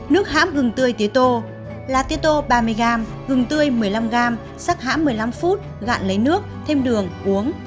nước hãm gừng tươi tía tô lá tía tô ba mươi g gừng tươi một mươi năm g sắc hãm một mươi năm phút gạn lấy nước thêm đường uống